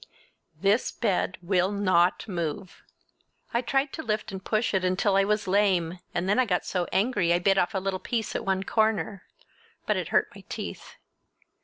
This bed will not move! I tried to lift and push it until I was lame, and then I got so angry I bit off a little piece at one corner—but it hurt my teeth.